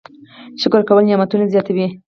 شکر کول نعمتونه زیاتوي